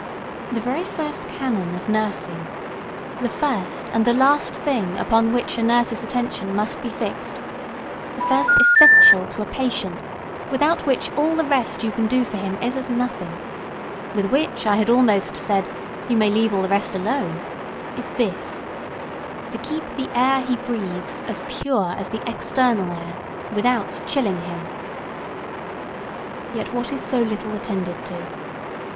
] The very first canon of nursing, the first and the last thing upon which a nurse's attention must be fixed, the first essential to a patient, without which all the rest you can do for him is as nothing, with which I had almost said you may leave all the rest alone, is this: TO KEEP THE AIR HE BREATHES AS PURE AS THE EXTERNAL AIR, WITHOUT CHILLING HIM. Yet what is so little attended, to?